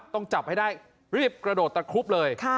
ต้องจับให้ได้รีบกระโดดตะครุบเลย